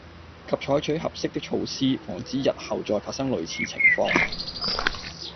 及採取合適的措施，防止日後再發生類似情況